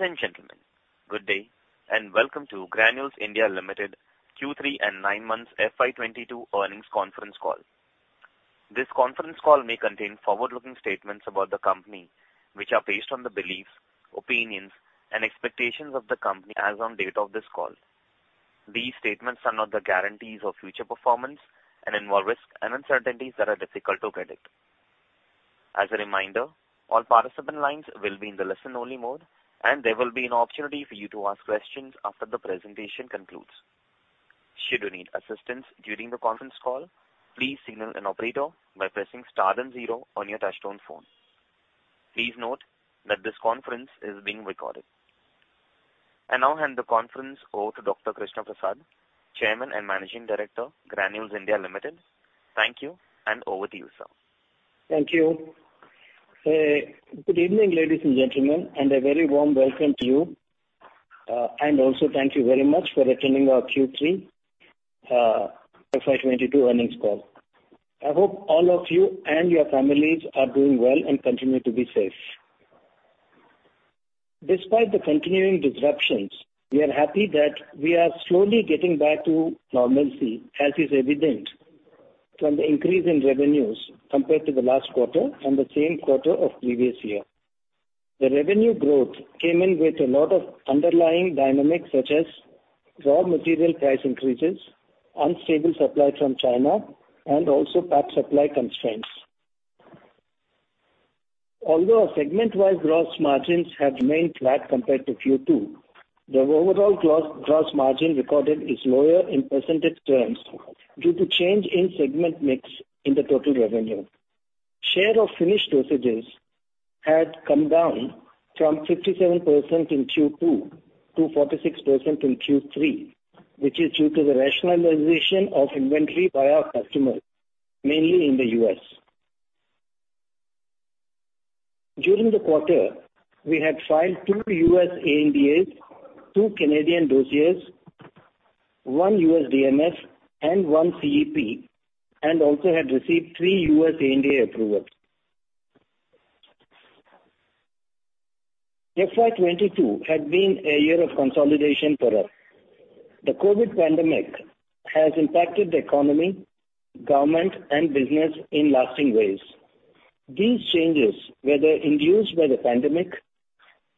Ladies and gentlemen, good day and welcome to Granules India Limited Q3 and Nine Months FY 2022 Earnings Conference Call. This conference call may contain forward-looking statements about the company, which are based on the beliefs, opinions and expectations of the company as on date of this call. These statements are not the guarantees of future performance and involve risks and uncertainties that are difficult to predict. As a reminder, all participant lines will be in the listen-only mode, and there will be an opportunity for you to ask questions after the presentation concludes. Should you need assistance during the conference call, please signal an operator by pressing star and zero on your touchtone phone. Please note that this conference is being recorded. I now hand the conference over to Dr. Krishna Prasad, Chairman and Managing Director, Granules India Limited. Thank you, and over to you, sir. Thank you. Good evening, ladies and gentlemen, and a very warm welcome to you. And also thank you very much for attending our Q3, FY 2022 earnings call. I hope all of you and your families are doing well and continue to be safe. Despite the continuing disruptions, we are happy that we are slowly getting back to normalcy, as is evident from the increase in revenues compared to the last quarter and the same quarter of previous year. The revenue growth came in with a lot of underlying dynamics, such as raw material price increases, unstable supply from China and also pack supply constraints. Although our segment-wide gross margins have remained flat compared to Q2, the overall gross margin recorded is lower in percentage terms due to change in segment mix in the total revenue. Share of finished dosages had come down from 57% in Q2 to 46% in Q3, which is due to the rationalization of inventory by our customers, mainly in the U.S. During the quarter, we had filed two U.S. ANDAs, two Canadian dossiers, one U.S. DMF and one CEP, and also had received three U.S. ANDA approvals. FY 2022 had been a year of consolidation for us. The COVID pandemic has impacted the economy, government and business in lasting ways. These changes, whether induced by the pandemic,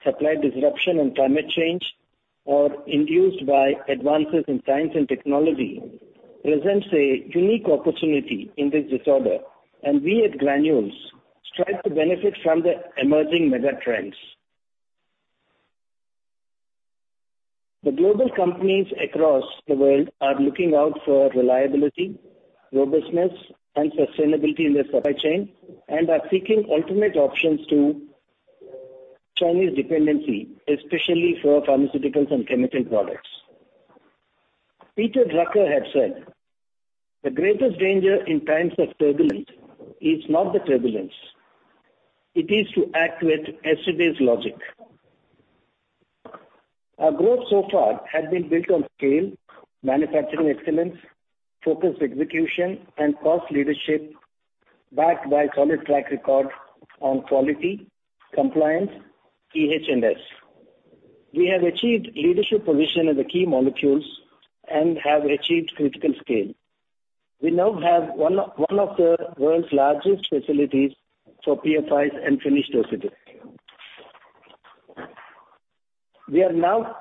supply disruption and climate change, or induced by advances in science and technology, presents a unique opportunity in this disorder, and we at Granules strive to benefit from the emerging mega trends. The global companies across the world are looking out for reliability, robustness and sustainability in their supply chain and are seeking alternate options to Chinese dependency, especially for pharmaceuticals and chemical products. Peter Drucker had said, "The greatest danger in times of turbulence is not the turbulence. It is to act with yesterday's logic." Our growth so far has been built on scale, manufacturing excellence, focused execution and cost leadership backed by solid track record on quality, compliance, EH&S. We have achieved leadership position in the key molecules and have achieved critical scale. We now have one of the world's largest facilities for PFIs and finished dosages. We are now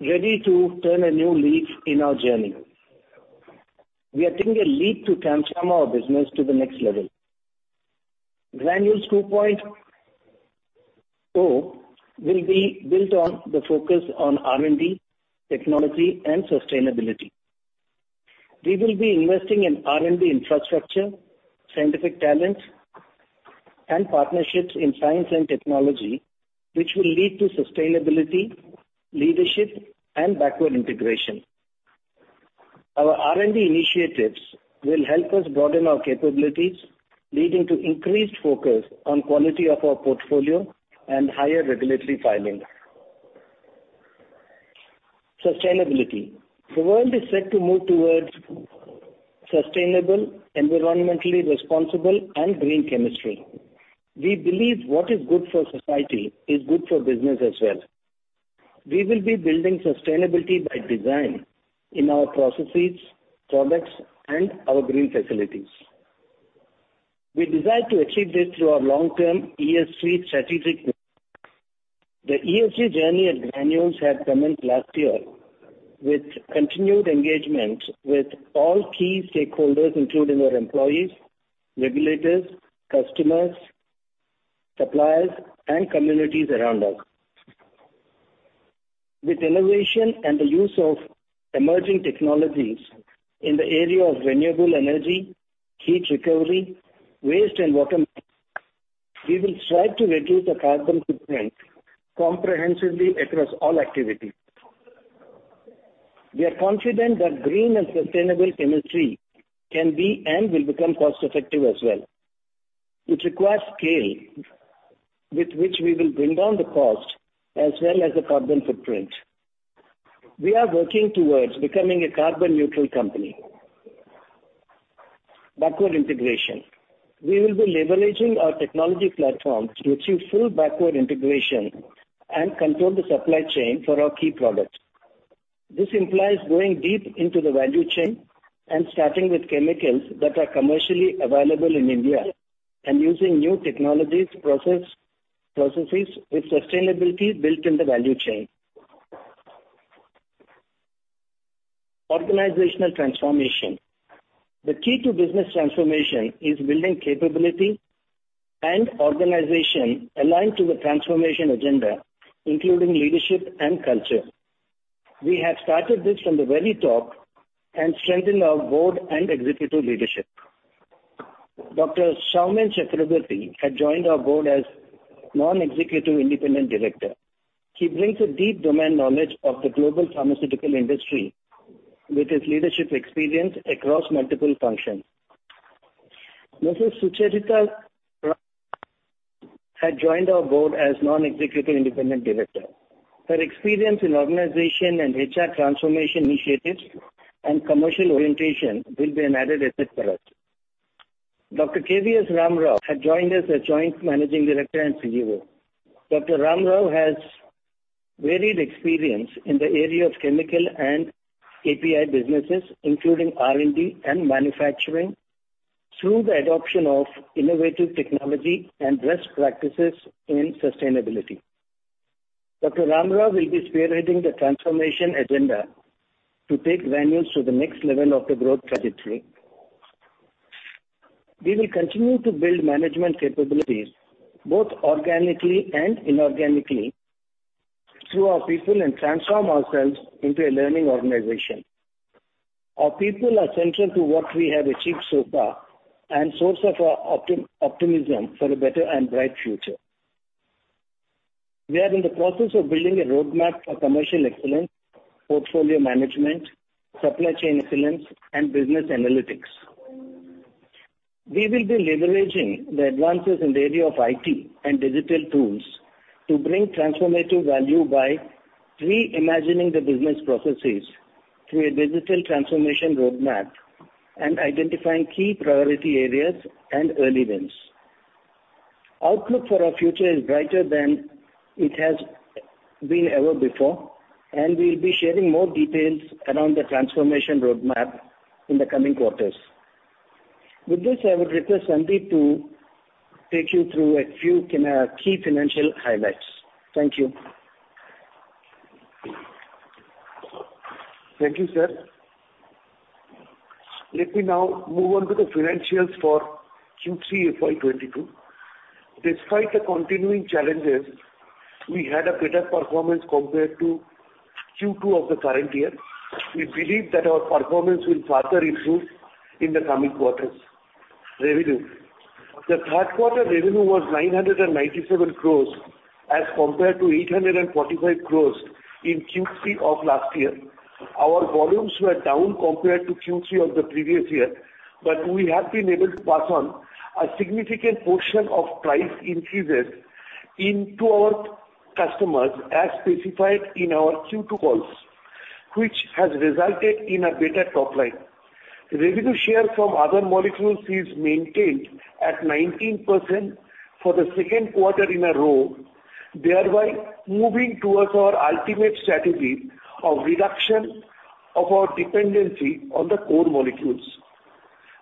ready to turn a new leaf in our journey. We are taking a leap to transform our business to the next level. Granules 2.0 will be built on the focus on R&D, technology and sustainability. We will be investing in R&D infrastructure, scientific talent and partnerships in science and technology, which will lead to sustainability, leadership and backward integration. Our R&D initiatives will help us broaden our capabilities, leading to increased focus on quality of our portfolio and higher regulatory filings. Sustainability. The world is set to move towards sustainable, environmentally responsible and green chemistry. We believe what is good for society is good for business as well. We will be building sustainability by design in our processes, products and our green facilities. We desire to achieve this through our long-term ESG strategy. The ESG journey at Granules had commenced last year with continued engagement with all key stakeholders, including our employees, regulators, customers, suppliers and communities around us. With innovation and the use of emerging technologies in the area of renewable energy, heat recovery, waste and water, we will strive to reduce the carbon footprint comprehensively across all activities. We are confident that green and sustainable chemistry can be and will become cost-effective as well, which requires scale, with which we will bring down the cost as well as the carbon footprint. We are working towards becoming a carbon-neutral company. Backward integration. We will be leveraging our technology platforms to achieve full backward integration and control the supply chain for our key products. This implies going deep into the value chain and starting with chemicals that are commercially available in India and using new technologies, processes with sustainability built in the value chain. Organizational transformation. The key to business transformation is building capability and organization aligned to the transformation agenda, including leadership and culture. We have started this from the very top and strengthened our board and executive leadership. Dr. Saumen Chakraborty has joined our board as Non-Executive Independent Director. He brings a deep domain knowledge of the global pharmaceutical industry with his leadership experience across multiple functions. Mrs. Sucharita Rao Palepu had joined our board as Non-Executive Independent Director. Her experience in organization and HR transformation initiatives and commercial orientation will be an added asset for us. Dr. K.V.S. Ram Rao had joined as a Joint Managing Director and CEO. Dr. Ramarao has varied experience in the area of chemical and API businesses, including R&D and manufacturing through the adoption of innovative technology and best practices in sustainability. Dr. Ramarao will be spearheading the transformation agenda to take Granules' to the next level of the growth trajectory. We will continue to build management capabilities both organically and inorganically through our people and transform ourselves into a learning organization. Our people are central to what we have achieved so far and source of our optimism for a better and bright future. We are in the process of building a roadmap for commercial excellence, portfolio management, supply chain excellence, and business analytics. We will be leveraging the advances in the area of IT and digital tools to bring transformative value by reimagining the business processes through a digital transformation roadmap and identifying key priority areas and early wins. Outlook for our future is brighter than it has been ever before, and we'll be sharing more details around the transformation roadmap in the coming quarters. With this, I would request Sandeep to take you through a few key financial highlights. Thank you. Thank you, sir. Let me now move on to the financials for Q3 FY 2022. Despite the continuing challenges, we had a better performance compared to Q2 of the current year. We believe that our performance will further improve in the coming quarters. Revenue. The third quarter revenue was 997 crores as compared to 845 crores in Q3 of last year. Our volumes were down compared to Q3 of the previous year, but we have been able to pass on a significant portion of price increases into our customers as specified in our Q2 calls, which has resulted in a better top line. Revenue share from other molecules is maintained at 19% for the second quarter in a row, thereby moving towards our ultimate strategy of reduction of our dependency on the core molecules.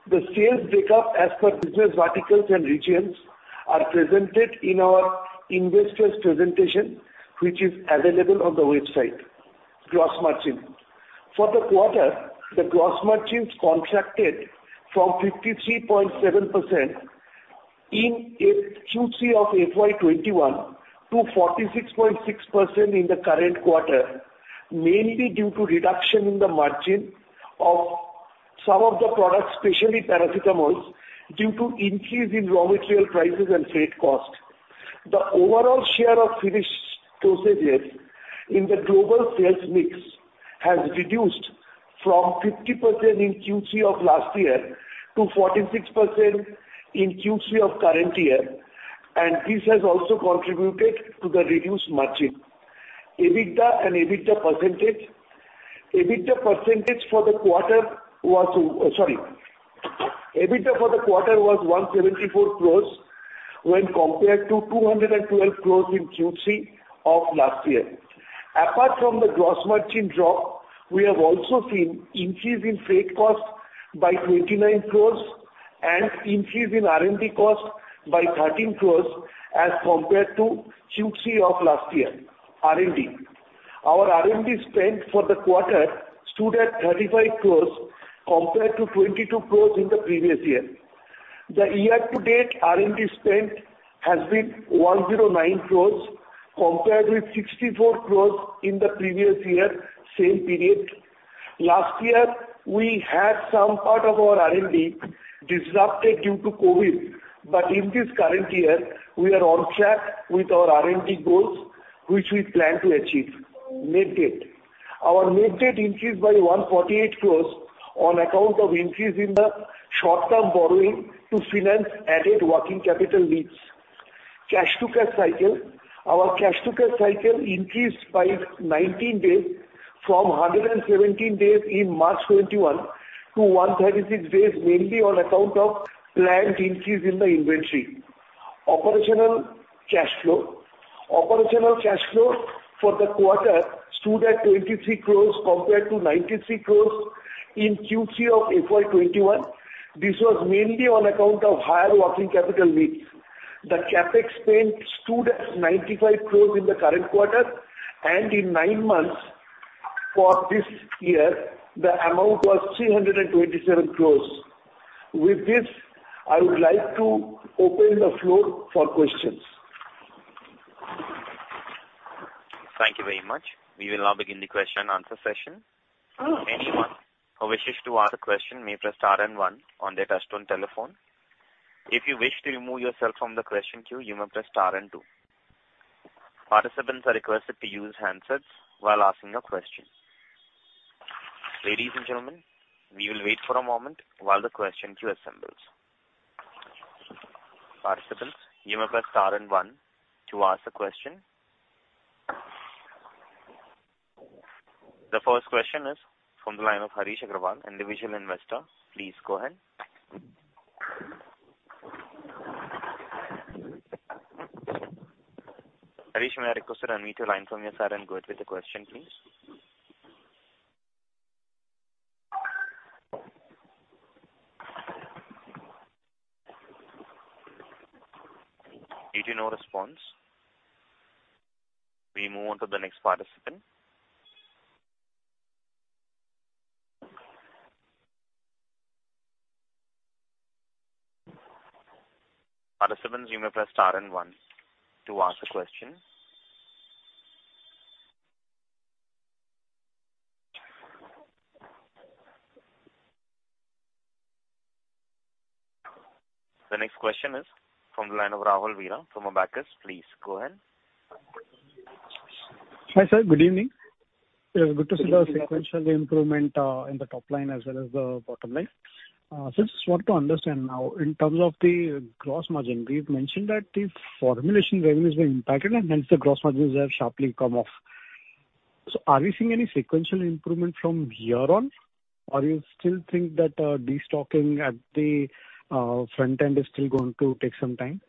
The sales breakup as per business verticals and regions are presented in our investors presentation, which is available on the website. Gross margin. For the quarter, the gross margins contracted from 53.7% in Q3 of FY 2021 to 46.6% in the current quarter, mainly due to reduction in the margin of some of the products, especially paracetamol due to increase in raw material prices and freight costs. The overall share of finished dosages in the global sales mix has reduced from 50% in Q3 of last year to 46% in Q3 of current year, and this has also contributed to the reduced margin. EBITDA and EBITDA percentage. EBITDA for the quarter was 174 crore when compared to 212 crore in Q3 of last year. Apart from the gross margin drop, we have also seen increase in freight costs by 29 crore and increase in R&D costs by 13 crore as compared to Q3 of last year. R&D. Our R&D spend for the quarter stood at 35 crore compared to 22 crore in the previous year. The year-to-date R&D spend has been 109 crore compared with 64 crore in the previous year, same period. Last year, we had some part of our R&D disrupted due to COVID, but in this current year we are on track with our R&D goals, which we plan to achieve. Net debt. Our net debt increased by 148 crore on account of increase in the short-term borrowing to finance added working capital needs. Cash to cash cycle. Our cash to cash cycle increased by 19 days from 117 days in March 2021 to 136 days, mainly on account of planned increase in the inventory. Operational cash flow. Operational cash flow for the quarter stood at 23 crore compared to 93 crore in Q3 of FY 2021. This was mainly on account of higher working capital needs. The CapEx spend stood at 95 crore in the current quarter, and in nine months for this year the amount was 327 crore. With this, I would like to open the floor for questions. Thank you very much. We will now begin the question-and-answer session. Uh- Anyone who wishes to ask a question may press star and one on their touch-tone telephone. If you wish to remove yourself from the question queue, you may press star and two. Participants are requested to use handsets while asking a question. Ladies and gentlemen, we will wait for a moment while the question queue assembles. Participants, you may press star and one to ask a question. The first question is from the line of Harish Agarwal, Individual Investor. Please go ahead. Harish, you may request to unmute your line from your side and go ahead with the question, please. Due to no response, we move on to the next participant. Participants, you may press star and one to ask a question. The next question is from the line of Rahul Vira from Abacus. Please go ahead. Hi, sir. Good evening. It is good to see the sequential improvement in the top line as well as the bottom line. Just want to understand now in terms of the gross margin, we've mentioned that the formulation revenue is being impacted and hence the gross margins have sharply come off. Are we seeing any sequential improvement from here on, or you still think that destocking at the front end is still going to take some time?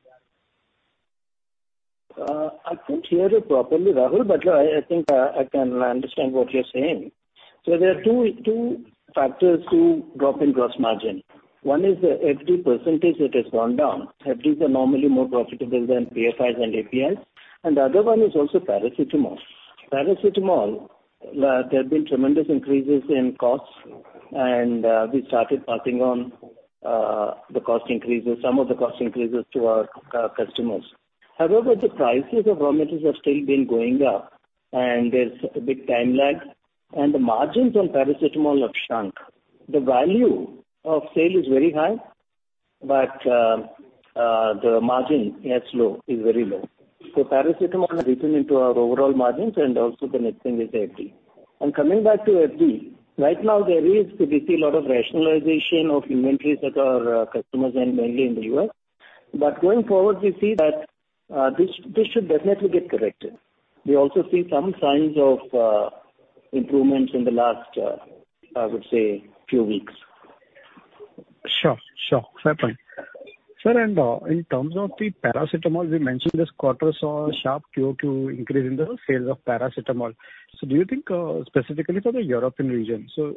I can't hear you properly, Rahul, but I think I can understand what you're saying. There are two factors to drop in gross margin. One is the FD percentage that has gone down. FD's are normally more profitable than PFIs and APIs, and the other one is also paracetamol. Paracetamol, there have been tremendous increases in costs and we started passing on the cost increases, some of the cost increases to our customers. However, the prices of raw materials have still been going up and there's a big time lag and the margins on paracetamol have shrunk. The value of sale is very high, but the margin is very low. Paracetamol has eaten into our overall margins and also the next thing is FD. Coming back to FD, right now we see a lot of rationalization of inventories at our customers and mainly in the U.S. Going forward, we see that this should definitely get corrected. We also see some signs of improvements in the last, I would say, few weeks. Sure, sure. Fair point. Sir, in terms of the paracetamol, we mentioned this quarter saw a sharp QoQ increase in the sales of paracetamol. Do you think, specifically for the European region, do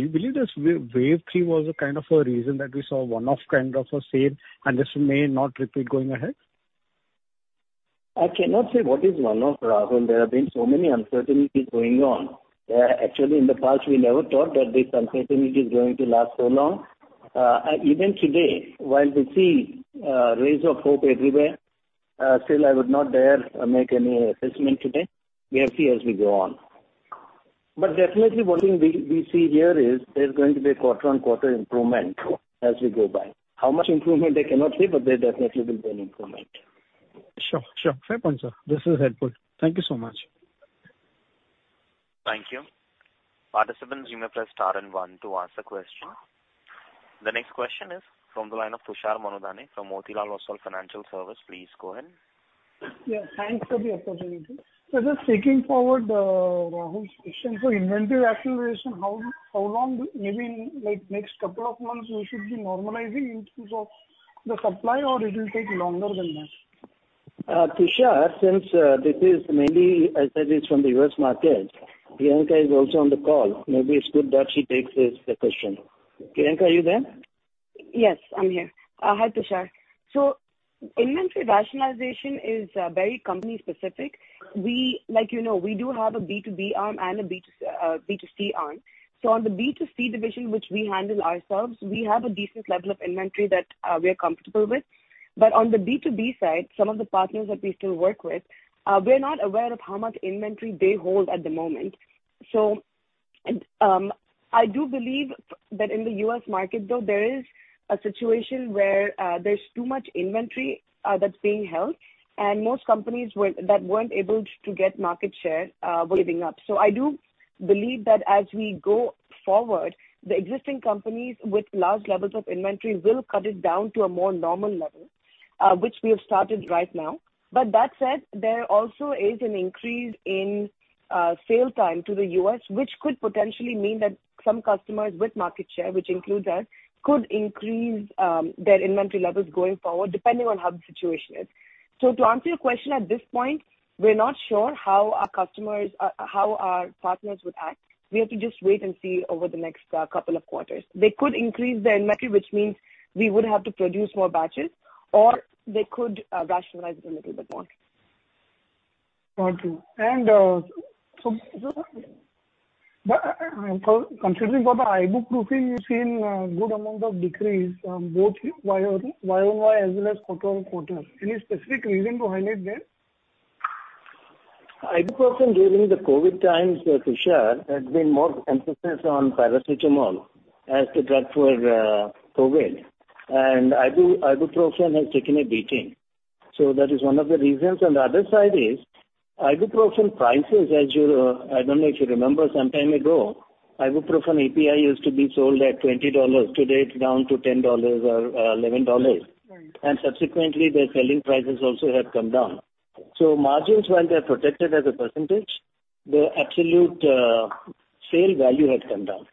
you believe this wave three was a kind of a reason that we saw one-off kind of a sale and this may not repeat going ahead? I cannot say what is one-off, Rahul. There have been so many uncertainties going on. Actually in the past we never thought that this uncertainty is going to last so long. Even today, while we see rays of hope everywhere, still I would not dare make any assessment today. We have to see as we go on. Definitely one thing we see here is there's going to be quarter-on-quarter improvement as we go by. How much improvement I cannot say, but there definitely will be an improvement. Sure. Sure. Fair point, sir. This is helpful. Thank you so much. Thank you. Participants, you may press star and one to ask a question. The next question is from the line of Tushar Manudhane from Motilal Oswal Financial Services. Please go ahead. Yeah, thanks for the opportunity. Just taking forward Rahul's question. Inventory acceleration, how long maybe in like next couple of months we should be normalizing in terms of the supply or it will take longer than that? Tushar, since this is mainly, as I said, is from the U.S. market, Priyanka is also on the call. Maybe it's good that she takes this, the question. Priyanka, are you there? Yes, I'm here. Hi, Tushar. Inventory rationalization is very company specific. We, like you know, we do have a B2B arm and a B2C arm. On the B2C division, which we handle ourselves, we have a decent level of inventory that we are comfortable with. On the B2B side, some of the partners that we still work with, we're not aware of how much inventory they hold at the moment. I do believe that in the U.S. market though, there is a situation where there's too much inventory that's being held and most companies that weren't able to get market share were giving up. I believe that as we go forward, the existing companies with large levels of inventory will cut it down to a more normal level, which we have started right now. That said, there also is an increase in lead time to the U.S., which could potentially mean that some customers with market share, which includes us, could increase their inventory levels going forward depending on how the situation is. To answer your question, at this point, we're not sure how our customers, how our partners would act. We have to just wait and see over the next couple of quarters. They could increase the inventory, which means we would have to produce more batches, or they could rationalize it a little bit more. Got you. Considering for the Ibuprofen, you've seen a good amount of decrease, both year-over-year as well as quarter-on-quarter. Any specific reason to highlight there? Ibuprofen during the COVID times, Tushar, there's been more emphasis on Paracetamol as the drug for COVID. Ibuprofen has taken a beating. That is one of the reasons. The other side is Ibuprofen prices, as you, I don't know if you remember some time ago, Ibuprofen API used to be sold at $20. Today, it's down to $10 or $11. Right. Subsequently, their selling prices also have come down. Margins, while they're protected as a percentage, the absolute sale value has come down.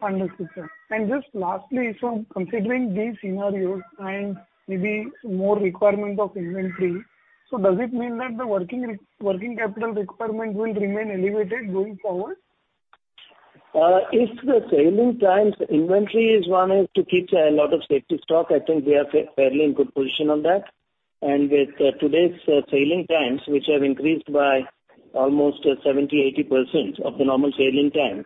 Understood, sir. Just lastly, so considering these scenarios and maybe more requirement of inventory, so does it mean that the working capital requirement will remain elevated going forward? If the sailing times, the inventory one way is to keep a lot of safety stock. I think we are fairly in good position on that. With today's sailing times, which have increased by almost 70%-80% of the normal sailing time,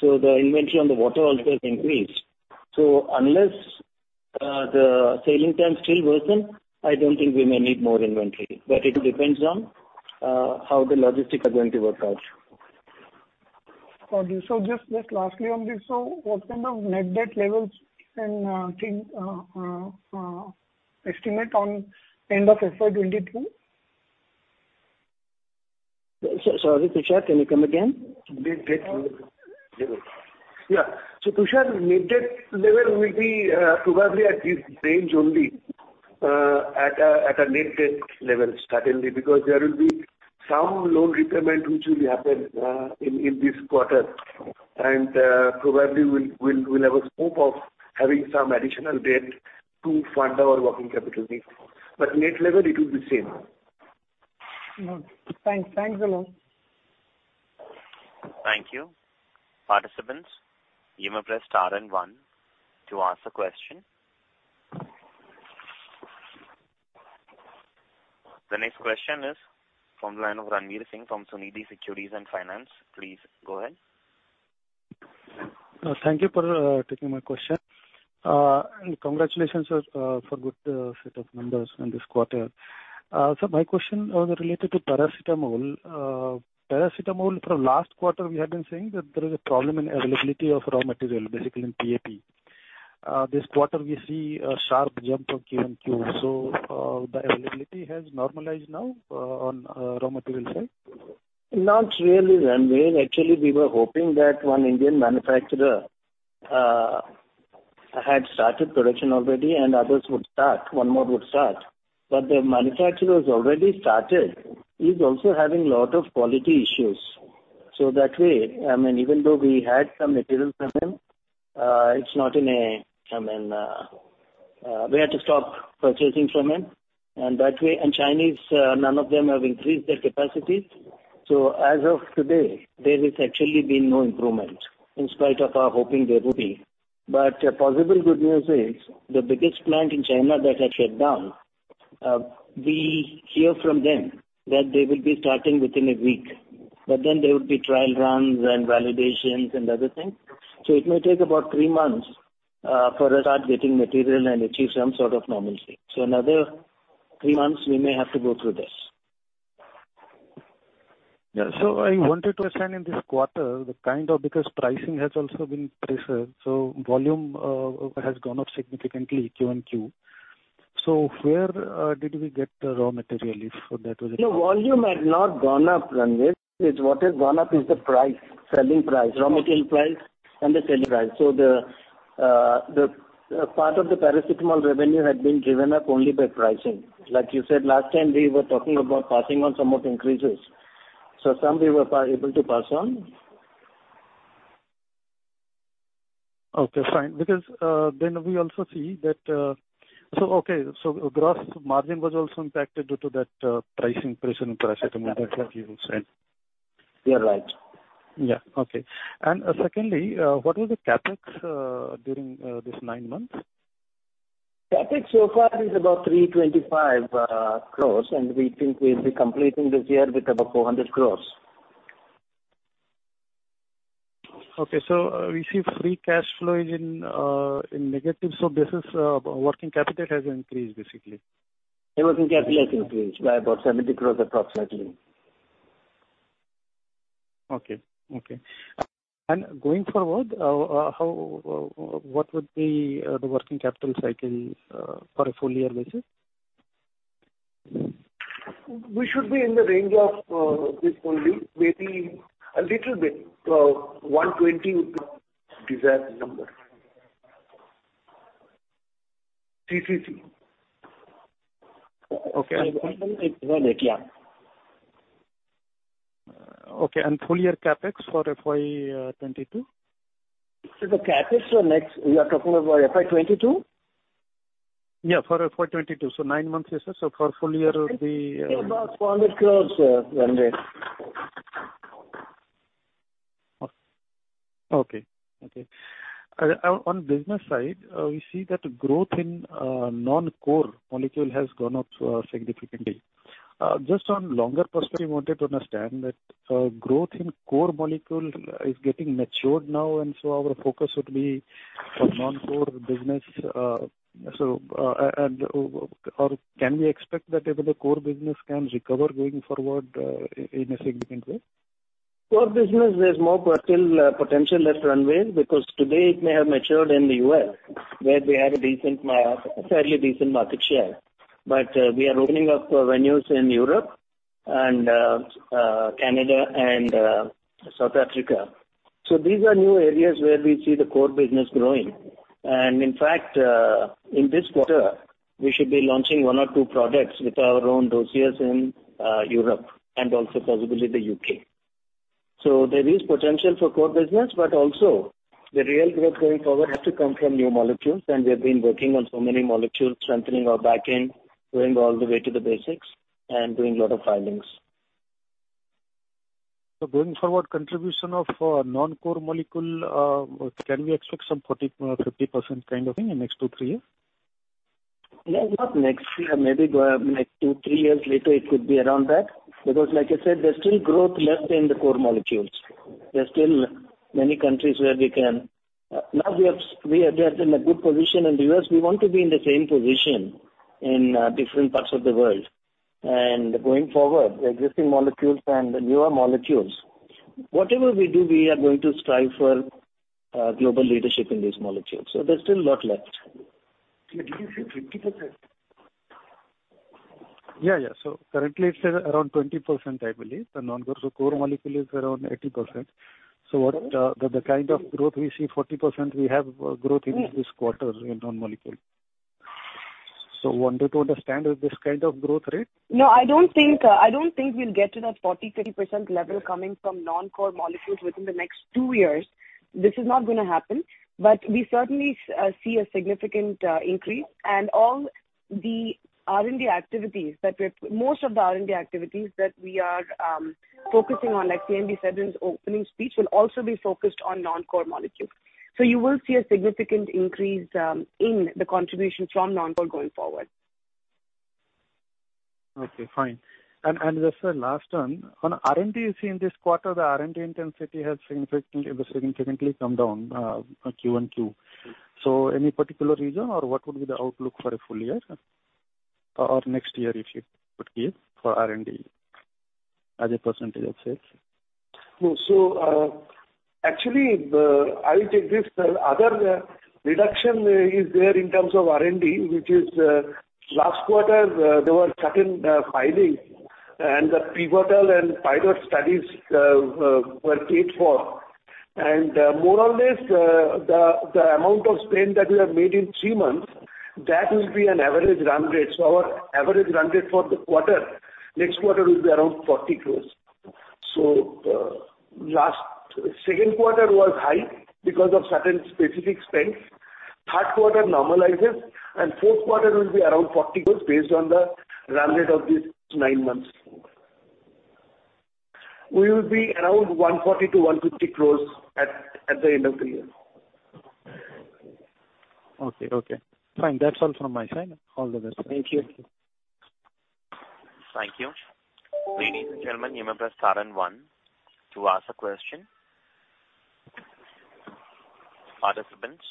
the inventory on the water also has increased. Unless the sailing times still worsen, I don't think we may need more inventory. It depends on how the logistics are going to work out. Got you. Just lastly on this. What kind of net debt levels can estimate at the end of FY 2022? Sorry, Tushar, can you come again? Net debt level. Tushar, net debt level will be probably at this range only, at a net debt level, certainly, because there will be some loan requirement which will happen in this quarter. Probably we'll have a scope of having some additional debt to fund our working capital needs. Net level, it will be same. Okay. Thanks. Thanks a lot. Thank you. Participants, you may press star and one to ask a question. The next question is from the line of Ranvir Singh from Sunidhi Securities & Finance. Please go ahead. Thank you for taking my question. Congratulations, sir, for good set of numbers in this quarter. My question was related to Paracetamol. Paracetamol from last quarter we had been saying that there is a problem in availability of raw material, basically in PAP. This quarter we see a sharp jump of QoQ. The availability has normalized now, on raw material side? Not really, Ranvir. Actually, we were hoping that one Indian manufacturer had started production already and others would start, one more would start. The manufacturer who has already started is also having a lot of quality issues. That way, I mean, even though we had some material from him, we had to stop purchasing from him. That way, the Chinese none of them have increased their capacity. As of today, there has actually been no improvement in spite of our hoping there will be. A possible good news is the biggest plant in China that had shut down. We hear from them that they will be starting within a week. Then there will be trial runs and validations and other things. It may take about three months for us start getting material and achieve some sort of normalcy. Another three months we may have to go through this. I wanted to understand in this quarter because pricing has also been pressured, so volume has gone up significantly QoQ. Where did we get the raw material if that was- No, volume has not gone up, Ranveer. What has gone up is the price, selling price, raw material price and the selling price. The part of the Paracetamol revenue had been driven up only by pricing. Like you said last time, we were talking about passing on some more increases. Some we were able to pass on. Okay, fine. Because then we also see that gross margin was also impacted due to that price increase in paracetamol, that's what you said. You're right. Yeah. Okay. Secondly, what was the CapEx during this nine months? CapEx so far is about 325 crores, and we think we'll be completing this year with about 400 crores. Okay. We see free cash flow is in negative. This is working capital has increased basically. The working capital has increased by about INR 70 crore approximately. Going forward, what would be the working capital cycle for a full year basis? We should be in the range of this only, maybe a little bit, 120 would be desired number. CCC. Okay. Yeah. Okay. Full year CapEx for FY 2022. The CapEx for next, we are talking about FY 2022? Yeah, for FY 2022. Nine months is for full year it'll be. About 400 crore run rate. On business side, we see that growth in non-core molecule has gone up significantly. Just on longer perspective, I wanted to understand that growth in core molecule is getting matured now, and so our focus would be for non-core business. And or can we expect that even the core business can recover going forward, in a significant way? Core business, there's more potential left runway because today it may have matured in the U.S. where we have a decent a fairly decent market share. We are opening up venues in Europe and Canada and South Africa. These are new areas where we see the core business growing. In fact, in this quarter, we should be launching one or two products with our own dossiers in Europe and also possibly the U.K. There is potential for core business, but also the real growth going forward has to come from new molecules. We have been working on so many molecules, strengthening our backend, going all the way to the basics and doing a lot of filings. Going forward, contribution of non-core molecule, can we expect some 40%-50% kind of thing in next two to three years? Maybe not next year. Maybe like two, three years later it could be around that because like I said, there's still growth left in the core molecules. There's still many countries where we can. Now we are just in a good position in the U.S. We want to be in the same position in different parts of the world. Going forward, the existing molecules and the newer molecules, whatever we do, we are going to strive for global leadership in these molecules. There's still a lot left. Did you say 50%? Yeah, yeah. Currently it's around 20%, I believe. The non-core to core molecule is around 80%. With the kind of growth we see, 40% growth we have in this quarter in non-molecule. I wanted to understand with this kind of growth rate. No, I don't think we'll get to that 40%-50% level coming from non-core molecules within the next two years. This is not gonna happen. We certainly see a significant increase. Most of the R&D activities that we are focusing on, like CMD said in his opening speech, will also be focused on non-core molecules. You will see a significant increase in the contribution from non-core going forward. Okay, fine. Just last one. On R&D you see in this quarter, the R&D intensity has significantly come down, Q on Q. Any particular reason or what would be the outlook for a full year or next year, if you could give for R&D as a percentage of sales? Actually, I will take this. The other reduction is there in terms of R&D, which is last quarter there were certain filings and the pivotal and pilot studies were paid for. More or less, the amount of spend that we have made in three months, that will be an average run rate. Our average run rate for next quarter will be around 40 crores. Last second quarter was high because of certain specific spends. Third quarter normalizes, and fourth quarter will be around 40 crores based on the run rate of these nine months. We will be around 140 crores-150 crores at the end of the year. Okay. Fine. That's all from my side. All the best. Thank you. Thank you. Ladies and gentlemen, you may press star and one to ask a question. Participants,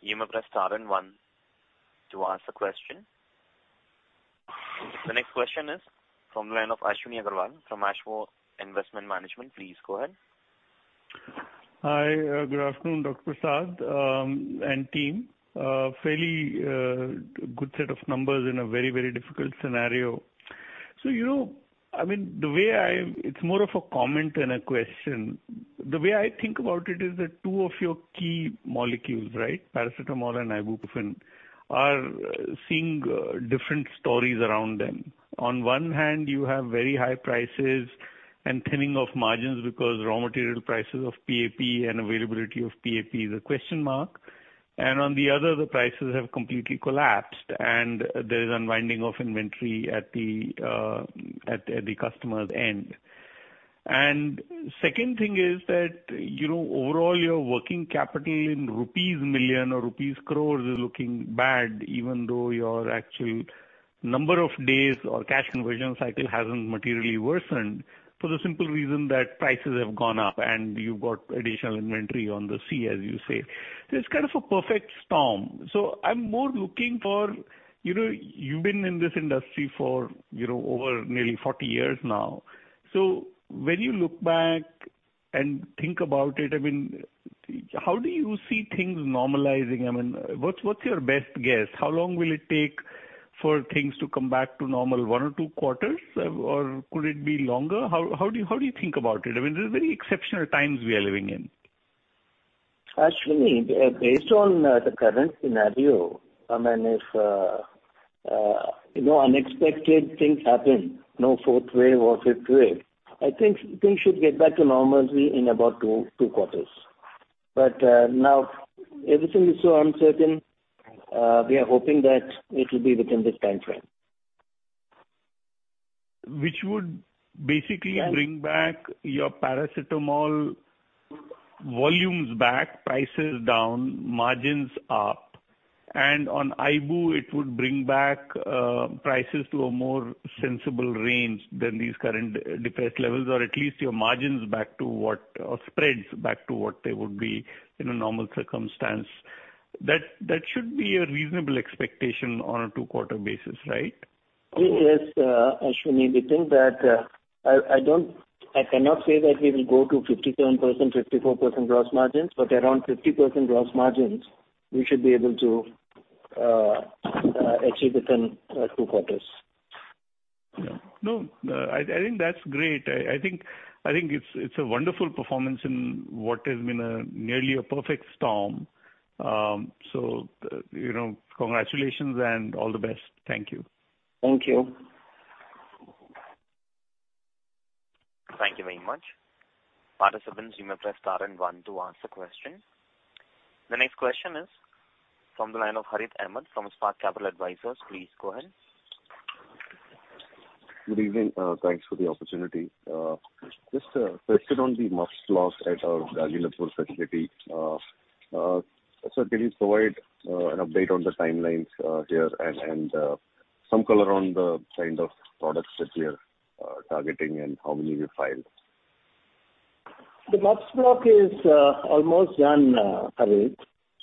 you may press star and one to ask a question. The next question is from the line of Ashwini Agarwal from Ashmore Investment Management. Please go ahead. Hi. Good afternoon, Dr. Prasad, and team. A fairly good set of numbers in a very, very difficult scenario. I mean, it's more of a comment than a question. The way I think about it is that two of your key molecules, right, paracetamol and ibuprofen, are seeing different stories around them. On one hand, you have very high prices and thinning of margins because raw material prices of PAP and availability of PAP is a question mark. On the other, the prices have completely collapsed and there is unwinding of inventory at the customer's end. Second thing is that, you know, overall, your working capital in rupees million or rupees crores is looking bad, even though your actual number of days or cash conversion cycle hasn't materially worsened for the simple reason that prices have gone up and you've got additional inventory on the sea, as you say. It's kind of a perfect storm. I'm more looking for, you know, you've been in this industry for, you know, over nearly 40 years now. When you look back and think about it, I mean, how do you see things normalizing? I mean, what's your best guess? How long will it take for things to come back to normal, one or two quarters? Or could it be longer? How do you think about it? I mean, these are very exceptional times we are living in. Actually, based on the current scenario, I mean, if no unexpected things happen, no fourth wave or fifth wave, I think things should get back to normalcy in about two quarters. But now everything is so uncertain, we are hoping that it will be within this timeframe. Which would basically bring back your paracetamol volumes back, prices down, margins up, and on Ibu, it would bring back prices to a more sensible range than these current depressed levels, or at least your margins back to what or spreads back to what they would be in a normal circumstance. That should be a reasonable expectation on a two-quarter basis, right? It is actually we think that I cannot say that we will go to 57%, 54% gross margins, but around 50% gross margins we should be able to achieve within two quarters. No, I think that's great. I think it's a wonderful performance in what has been nearly a perfect storm. You know, congratulations and all the best. Thank you. Thank you. Thank you very much. Participants, you may press star and one to ask a question. The next question is from the line of Harith Ahamed from Spark Capital Advisors. Please go ahead. Good evening. Thanks for the opportunity. Just a question on the MUPS block at our Gagillapur facility. Sir, can you provide an update on the timelines here and some color on the kind of products that you're targeting and how many you filed? The MUPS block is almost done, Harith,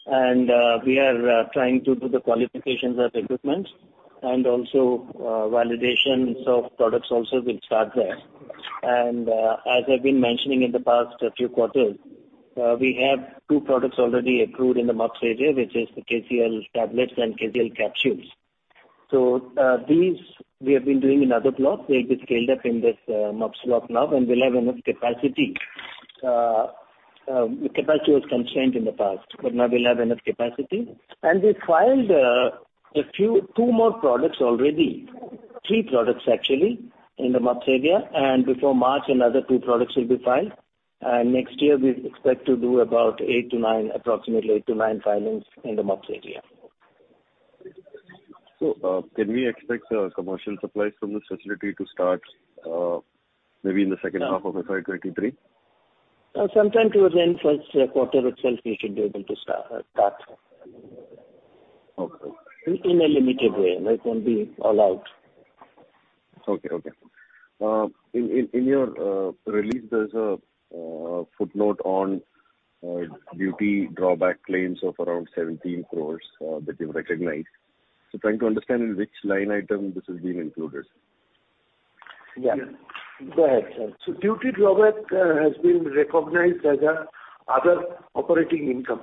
and we are trying to do the qualifications of equipment and also validations of products will start there. As I've been mentioning in the past few quarters, we have two products already approved in the MUPS area, which is the KCL tablets and KCL capsules. These we have been doing in other blocks. They'll be scaled up in this MUPS block now, and we'll have enough capacity. The capacity was constrained in the past, but now we'll have enough capacity. We filed a few, two more products already, three products actually in the MUPS area. Before March another two products will be filed. Next year we expect to do about eight to nine, approximately eight to nine filings in the MUPS area. Can we expect commercial supplies from this facility to start maybe in the second half of FY 2023? Sometime towards the end of the first quarter itself we should be able to start. Okay. In a limited way. It won't be all out. Okay. In your release there's a footnote on duty drawback claims of around 17 crore that you've recognized. Trying to understand in which line item this is being included. Yeah. Go ahead. Duty drawback has been recognized as other operating income.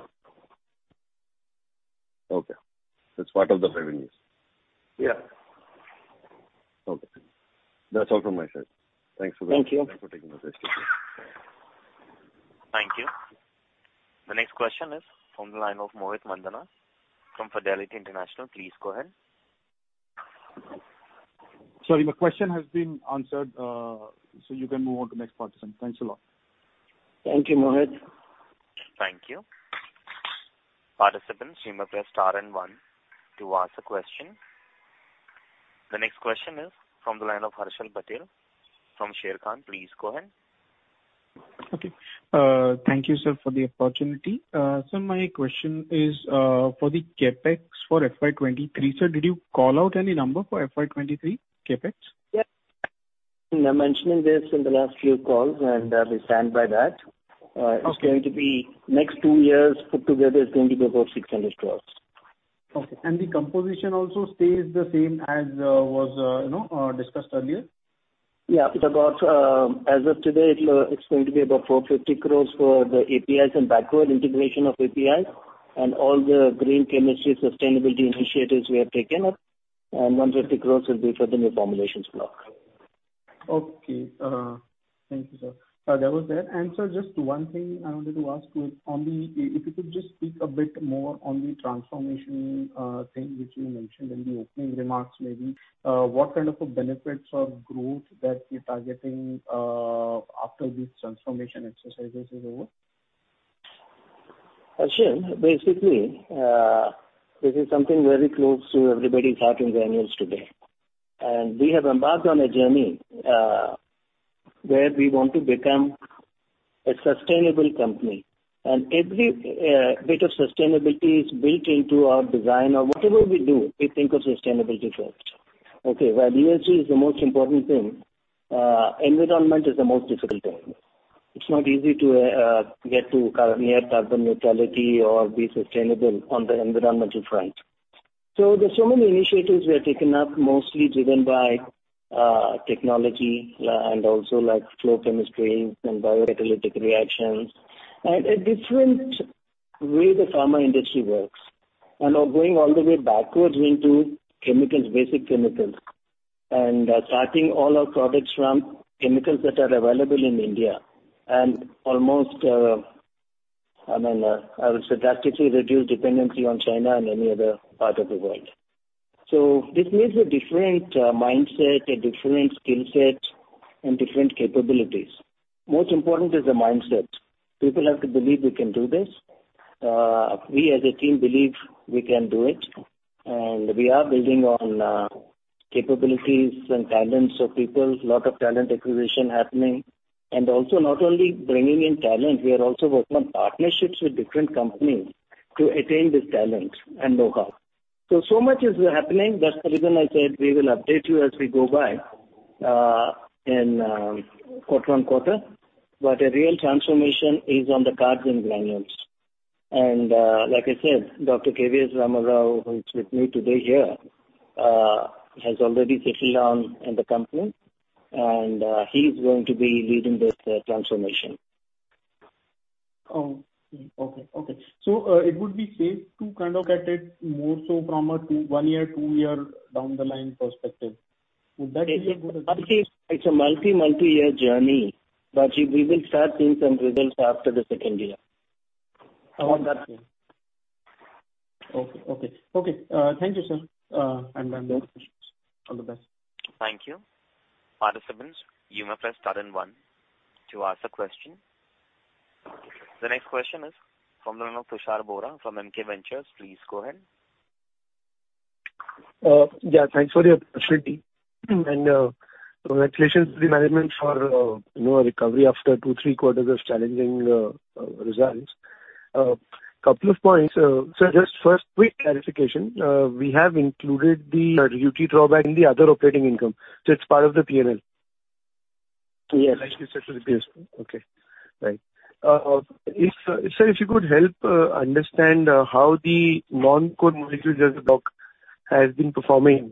Okay. It's part of the revenues. Yeah. Okay. That's all from my side. Thanks for- Thank you. Thank you for taking my questions. Thank you. The next question is from the line of Mohit Mandhana from Fidelity International. Please go ahead. Sorry, my question has been answered, so you can move on to next participant. Thanks a lot. Thank you, Mohit. Thank you. Participants, you may press star and one to ask a question. The next question is from the line of Harshal Patel from Sharekhan. Please go ahead. Okay. Thank you sir, for the opportunity. Sir, my question is for the CapEx for FY 2023. Sir, did you call out any number for FY 2023 CapEx? Yes. We were mentioning this in the last few calls, and we stand by that. Okay. It's going to be next two years put together is going to be about 600 crore. Okay. The composition also stays the same as was, you know, discussed earlier? Yeah. It's about, as of today, it's going to be about 450 crores for the APIs and backward integration of APIs and all the green chemistry sustainability initiatives we have taken up, and 150 crores will be for the new formulations block. Okay. Thank you, sir. That was it. Sir, just one thing I wanted to ask you on the transformation. If you could just speak a bit more on the transformation thing which you mentioned in the opening remarks maybe. What kind of a benefits or growth that you're targeting after this transformation exercises is over? Harshal, basically, this is something very close to everybody's heart in Granules today. We have embarked on a journey, where we want to become a sustainable company. Every bit of sustainability is built into our design or whatever we do, we think of sustainability first. Okay, while ESG is the most important thing, environment is the most difficult thing. It's not easy to get to near carbon neutrality or be sustainable on the environmental front. There's so many initiatives we have taken up, mostly driven by technology, and also like flow chemistry and biocatalytic reactions and a different way the pharma industry works. We are going all the way backwards into chemicals, basic chemicals, and starting all our products from chemicals that are available in India. Almost, I mean, I would say, drastically reduce dependency on China and any other part of the world. This needs a different mindset, a different skill set and different capabilities. Most important is the mindset. People have to believe we can do this. We as a team believe we can do it, and we are building on capabilities and talents of people. Lot of talent acquisition happening. Also not only bringing in talent, we are also working on partnerships with different companies to attain this talent and know-how. Much is happening. That's the reason I said we will update you as we go by, in, quarter on quarter. A real transformation is on the cards in Granules. Like I said, Dr. K.V.S. Ram Rao, who's with me today here, has already taken on in the company and, he's going to be leading this, transformation. Oh, okay. It would be safe to kind of get it more so from one year, two year down the line perspective. Would that be a good- It's a multi-year journey, but we will start seeing some results after the second year. On that note. Okay. Thank you, sir. No more questions. All the best. Thank you. Participants, you may press star and one to ask a question. The next question is from the line of Tushar Bohra from MK Ventures. Please go ahead. Yeah, thanks for the opportunity and congratulations to the management for, you know, a recovery after two to three quarters of challenging results. Couple of points. Just first quick clarification. We have included the duty drawback in the other operating income. It's part of the P&L? Yes. Sir, if you could help understand how the non-core molecules as a block has been performing.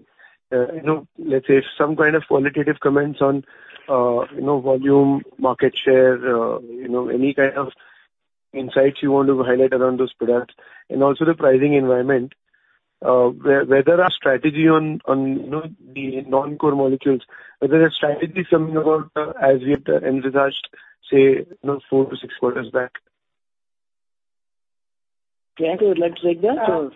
You know, let's say some kind of qualitative comments on, you know, volume, market share, you know, any kind of insights you want to highlight around those products and also the pricing environment, whether our strategy on the non-core molecules, whether the strategy is something as we had envisaged, say, you know, four to six quarters back. Yeah. Who would like to take that?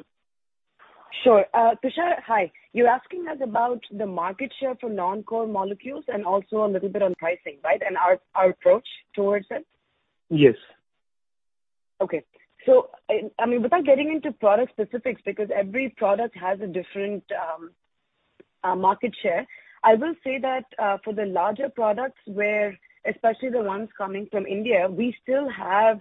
Sure. Tushar, hi. You're asking us about the market share for non-core molecules and also a little bit on pricing, right? Our approach towards it? Yes. I mean, without getting into product specifics, because every product has a different market share, I will say that for the larger products where, especially the ones coming from India, we still have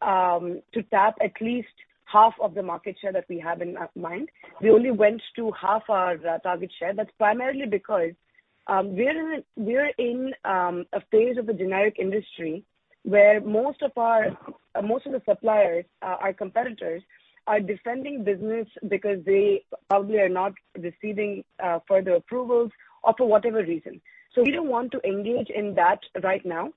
to tap at least half of the market share that we have in mind. We only went to half our target share. That's primarily because we're in a phase of the generic industry where most of the suppliers, our competitors are defending business because they probably are not receiving further approvals or for whatever reason. We don't want to engage in that right now.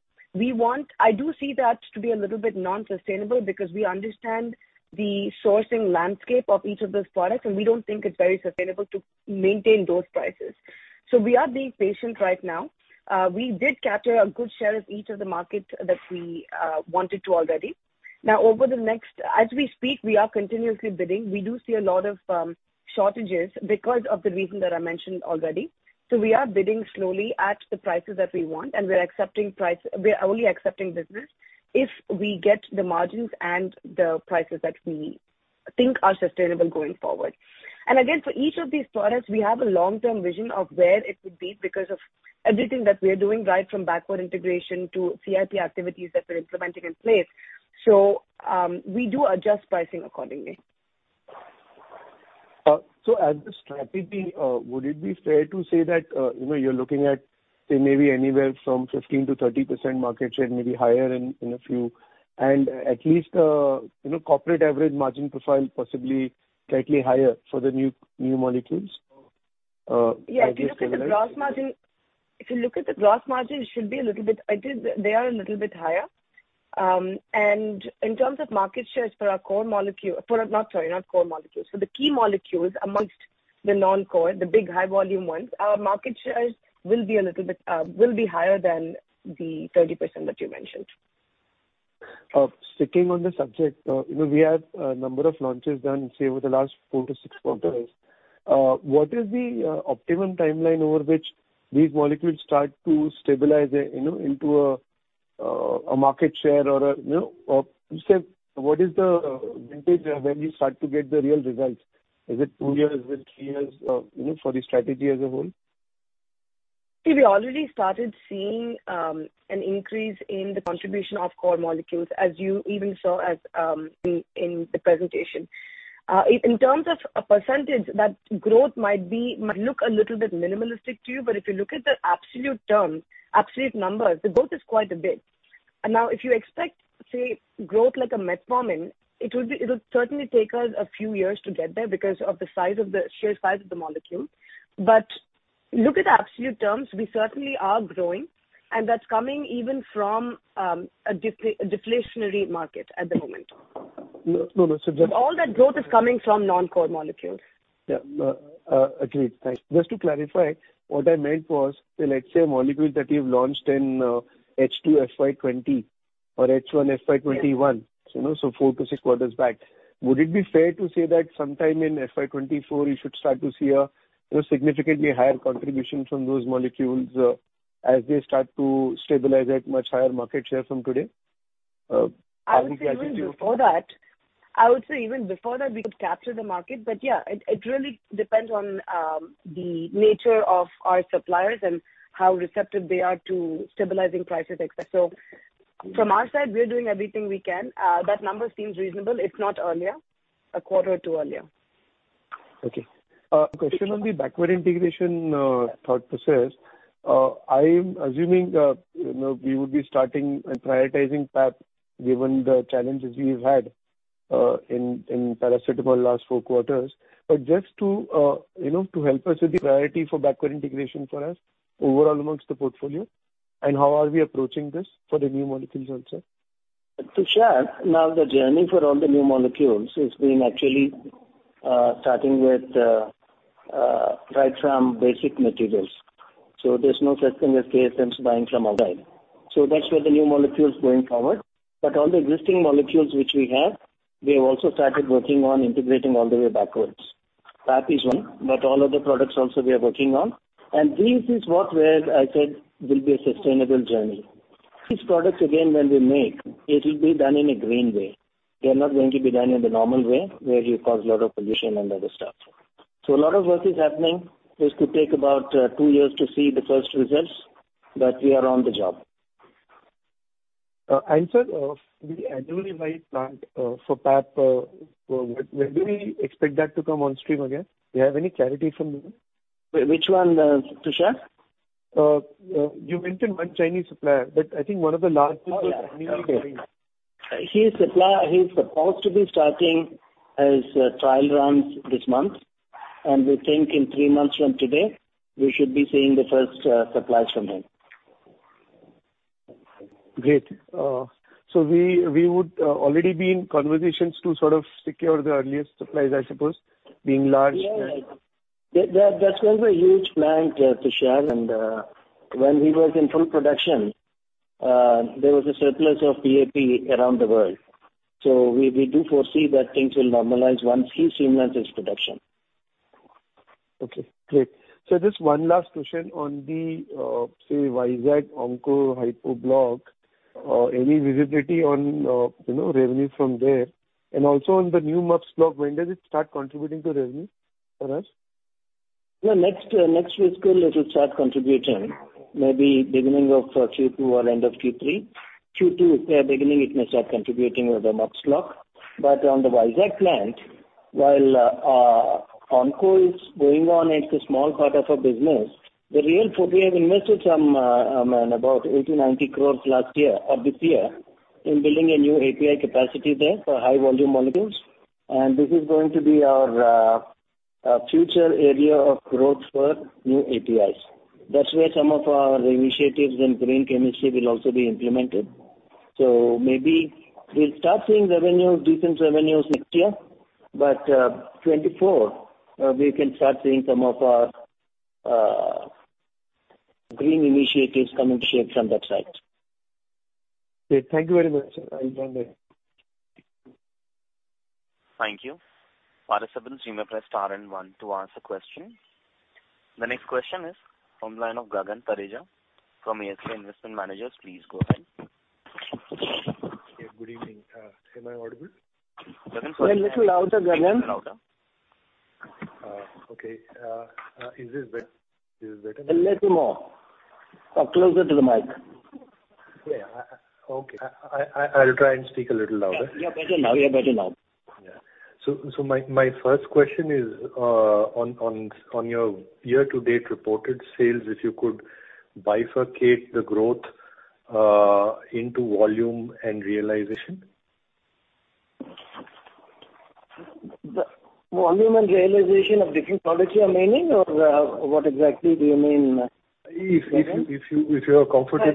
I do see that to be a little bit non-sustainable because we understand the sourcing landscape of each of those products, and we don't think it's very sustainable to maintain those prices. We are being patient right now. We did capture a good share of each of the markets that we wanted to already. As we speak, we are continuously bidding. We do see a lot of shortages because of the reason that I mentioned already. We are bidding slowly at the prices that we want, and we're accepting prices. We are only accepting business if we get the margins and the prices that we think are sustainable going forward. Again, for each of these products, we have a long-term vision of where it would be because of everything that we are doing, right from backward integration to CIP activities that we're implementing in place. We do adjust pricing accordingly. As the strategy, would it be fair to say that, you know, you're looking at say maybe anywhere from 15%-30% market share, maybe higher in a few and at least, you know, corporate average margin profile, possibly slightly higher for the new molecules? If you look at the gross margin, they are a little bit higher. In terms of market shares for our core molecule, not core molecules, for the key molecules amongst the non-core, the big high volume ones, our market shares will be a little bit higher than the 30% that you mentioned. Sticking on the subject. You know, we had a number of launches done, say, over the last four to six quarters. What is the optimum timeline over which these molecules start to stabilize, you know, into a market share or, you know, say what is the vintage when we start to get the real results? Is it two years? Is it three years? You know, for the strategy as a whole. See, we already started seeing an increase in the contribution of core molecules as you even saw in the presentation. In terms of a percentage, that growth might look a little bit minimalistic to you, but if you look at the absolute terms, numbers, the growth is quite a bit. Now if you expect, say, growth like a metformin, it will be, it'll certainly take us a few years to get there because of the sheer size of the molecule. Look at absolute terms, we certainly are growing, and that's coming even from a deflationary market at the moment. No, no. All that growth is coming from non-core molecules. Yeah. Agreed. Thanks. Just to clarify, what I meant was, let's say molecules that you've launched in H2 FY 2020 or H1 FY 2021. Yeah. You know, four to six quarters back. Would it be fair to say that sometime in FY 2024 you should start to see a, you know, significantly higher contribution from those molecules, as they start to stabilize at much higher market share from today? I would say even before that we could capture the market. Yeah, it really depends on the nature of our suppliers and how receptive they are to stabilizing prices, et cetera. From our side, we are doing everything we can. That number seems reasonable, if not earlier, a quarter or two earlier. Okay. Question on the backward integration thought process. I'm assuming you know we would be starting and prioritizing PAP given the challenges we've had in paracetamol last four quarters. Just to you know to help us with the priority for backward integration for us overall amongst the portfolio and how are we approaching this for the new molecules also. Tushar, now the journey for all the new molecules is actually starting right from basic materials. There's no such thing as KSM's buying from outside. That's where the new molecules going forward. All the existing molecules which we have, we have also started working on integrating all the way backwards. PAP is one, but all other products also we are working on. This is what, where I said will be a sustainable journey. These products again when we make, it will be done in a green way. They are not going to be done in the normal way where you cause a lot of pollution and other stuff. A lot of work is happening. This could take about two years to see the first results, but we are on the job. Sir, the annualized plant for PAP, when do we expect that to come on stream again? Do you have any clarity from them? Which one, Tushar? You mentioned one Chinese supplier, but I think one of the largest was. Oh, yeah. Okay. He's supposed to be starting his trial runs this month, and we think in three months from today we should be seeing the first supplies from him. Great. We would already be in conversations to sort of secure the earliest supplies, I suppose, being large and Yeah. That was a huge plant, Tushar, and when we was in full production, there was a surplus of PAP around the world. We do foresee that things will normalize once he ceases his production. Okay, great. Just one last question on, say, Vizag Oncology high potency block, any visibility on, you know, revenue from there? Also on the new MUPS block, when does it start contributing to revenue for us? Well, next fiscal it will start contributing, maybe beginning of Q2 or end of Q3. Q2, beginning it may start contributing with the MUPS block. On the Vizag plant, while Oncology is going on, it's a small part of our business. We have invested some about 80 crore-90 crore last year or this year in building a new API capacity there for high volume molecules. This is going to be our future area of growth for new APIs. That's where some of our initiatives in green chemistry will also be implemented. Maybe we'll start seeing decent revenues next year. 2024, we can start seeing some of our green initiatives come into shape from that side. Great. Thank you very much, sir. I'll join there. Thank you. Participants, you may press star and one to ask a question. The next question is from the line of Gagan Thareja from ASK Investment Managers. Please go ahead. Good evening. Am I audible? A little louder, Gagan. A little louder. Okay. Is this better? A little more or closer to the mic. Yeah. Okay. I'll try and speak a little louder. Yeah. You're better now. Yeah. My first question is on your year-to-date reported sales, if you could bifurcate the growth into volume and realization? The volume and realization of different products you are meaning or, what exactly do you mean, Gagan? If you are comfortable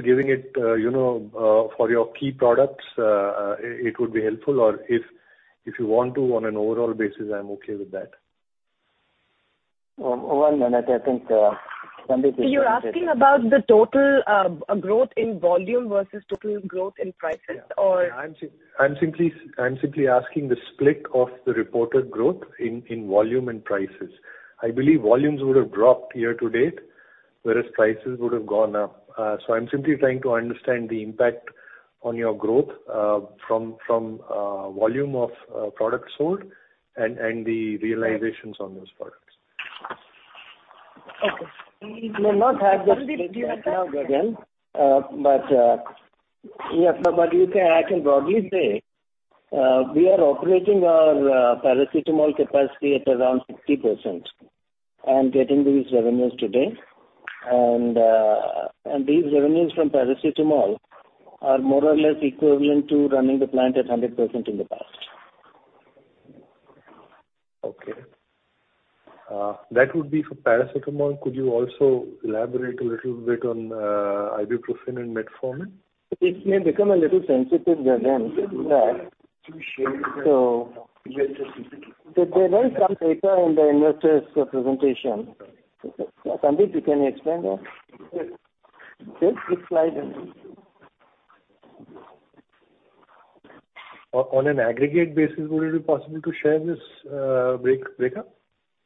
giving it, you know, for your key products, it would be helpful. Or if you want to on an overall basis, I'm okay with that. One minute. I think, Sandeep is- You're asking about the total growth in volume versus total growth in prices or Yeah. I'm simply asking the split of the reported growth in volume and prices. I believe volumes would have dropped year to date, whereas prices would have gone up. I'm simply trying to understand the impact on your growth from volume of products sold and the realizations on those products. Okay. We may not have the split right now, Gagan, but Yes. You can actually broadly say, we are operating our paracetamol capacity at around 60% and getting these revenues today. These revenues from paracetamol are more or less equivalent to running the plant at 100% in the past. Okay. That would be for paracetamol. Could you also elaborate a little bit on ibuprofen and metformin? It may become a little sensitive, Gagan. There is some data in the investors' presentation. Sandeep, you can explain that. Yes, which slide? On an aggregate basis, would it be possible to share this breakup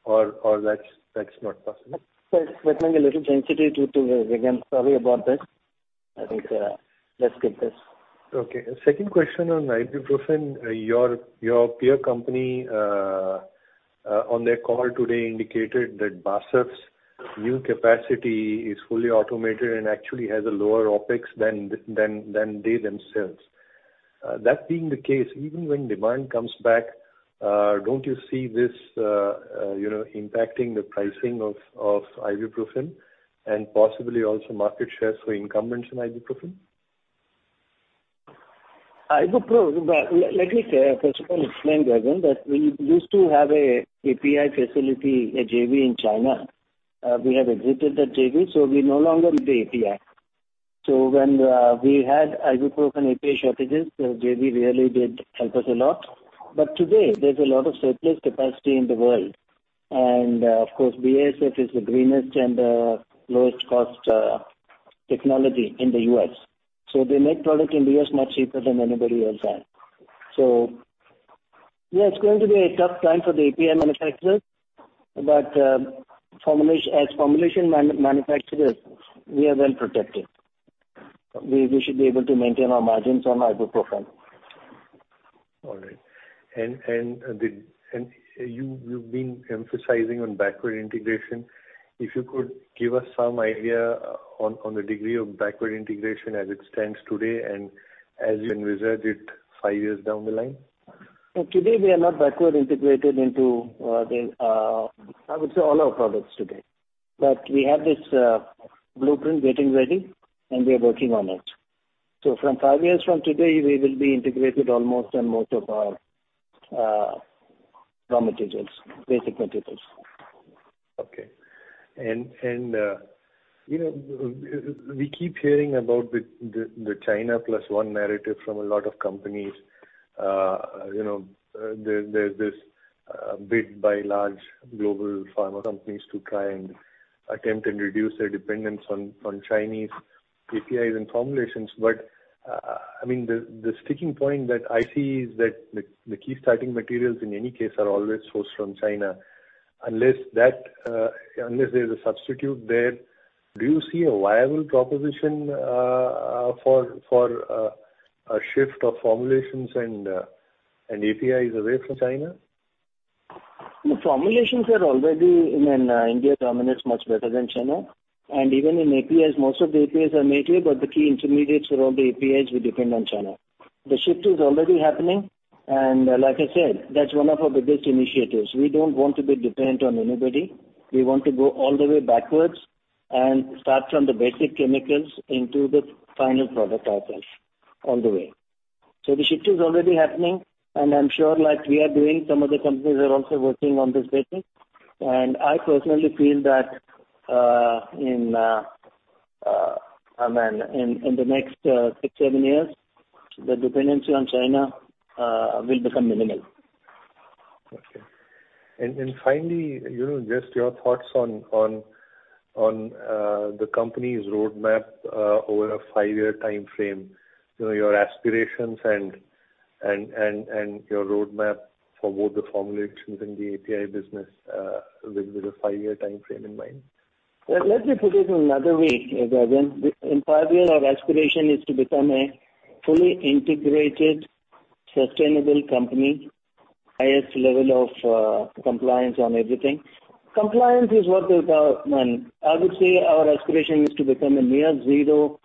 or that's not possible? Sir, it's becoming a little sensitive due to, Gagan. Sorry about that. I think, let's skip this. Okay. Second question on ibuprofen. Your peer company on their call today indicated that BASF's new capacity is fully automated and actually has a lower OpEx than they themselves. That being the case, even when demand comes back, don't you see this you know impacting the pricing of ibuprofen and possibly also market share for incumbents in ibuprofen? Ibuprofen. Let me first of all explain, Gagan, that we used to have an API facility, a JV in China. We have exited that JV, so we no longer do the API. When we had ibuprofen API shortages, the JV really did help us a lot. Today there's a lot of surplus capacity in the world. Of course, BASF is the greenest and lowest cost technology in the U.S. They make product in the U.S. much cheaper than anybody else has. Yeah, it's going to be a tough time for the API manufacturers. As formulation manufacturers, we are well protected. We should be able to maintain our margins on ibuprofen. All right. You've been emphasizing on backward integration. If you could give us some idea on the degree of backward integration as it stands today and as you envisage it five years down the line. Today we are not backward integrated into the I would say all our products today. We have this blueprint getting ready and we are working on it. From five years from today, we will be integrated almost on most of our raw materials, basic materials. Okay. You know, we keep hearing about the China plus one narrative from a lot of companies. You know, there's this bid by large global pharma companies to try and attempt and reduce their dependence on Chinese APIs and formulations. I mean, the sticking point that I see is that the key starting materials in any case are always sourced from China. Unless there's a substitute there, do you see a viable proposition for a shift of formulations and APIs away from China? Formulations are already in. India dominates much better than China. Even in APIs, most of the APIs are made here, but the key intermediates for all the APIs, we depend on China. The shift is already happening. Like I said, that's one of our biggest initiatives. We don't want to be dependent on anybody. We want to go all the way backwards and start from the basic chemicals into the final product ourselves all the way. The shift is already happening, and I'm sure like we are doing, some other companies are also working on this basis. I personally feel that, I mean, in the next six, seven years, the dependency on China will become minimal. Okay. Finally, you know, just your thoughts on the company's roadmap over a five-year timeframe. You know, your aspirations and your roadmap for both the formulations and the API business, with a five-year timeframe in mind. Let me put it in another way, Gagan. In five years our aspiration is to become a fully integrated, sustainable company, highest level of compliance on everything. Compliance is what will. I would say our aspiration is to become a near zero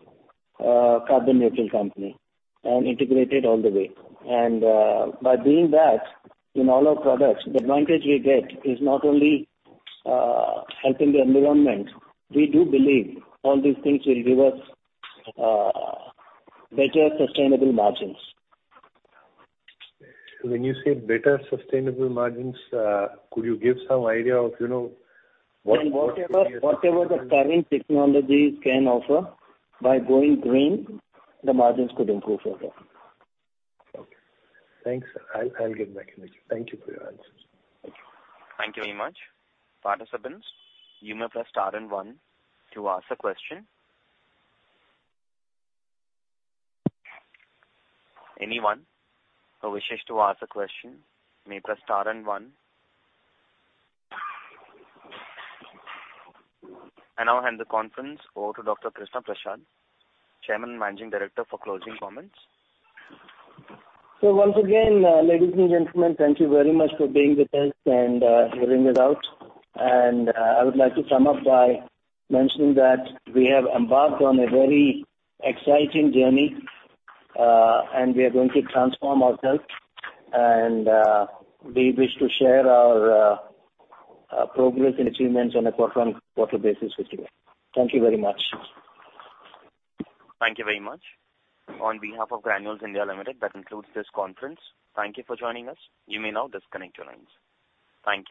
carbon neutral company and integrated all the way. By doing that in all our products, the advantage we get is not only helping the environment, we do believe all these things will give us better sustainable margins. When you say better sustainable margins, could you give some idea of, you know, what? Whatever the current technologies can offer by going green, the margins could improve further. Okay. Thanks. I'll get back with you. Thank you for your answers. Thank you. Thank you very much. Participants, you may press star and one to ask a question. Anyone who wishes to ask a question may press star and one. I now hand the conference over to Dr. Krishna Prasad Chigurupati, Chairman and Managing Director, for closing comments. Once again, ladies and gentlemen, thank you very much for being with us and hearing us out. I would like to sum up by mentioning that we have embarked on a very exciting journey, and we are going to transform ourselves. We wish to share our progress and achievements on a quarter-on-quarter basis with you. Thank you very much. Thank you very much. On behalf of Granules India Limited, that concludes this conference. Thank you for joining us. You may now disconnect your lines. Thank you.